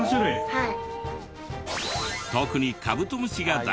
はい。